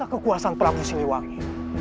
masa kekuasaan prabu siliwangi